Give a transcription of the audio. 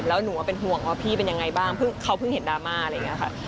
แล้วหนูก็เป็นห่วงว่าพี่เป็นยังไงบ้างเขาเพิ่งเห็นดราม่าอะไรอย่างนี้ค่ะ